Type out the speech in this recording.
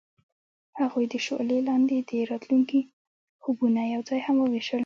هغوی د شعله لاندې د راتلونکي خوبونه یوځای هم وویشل.